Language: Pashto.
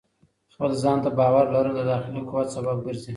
خپل ځان ته باور لرل د داخلي قوت سبب ګرځي.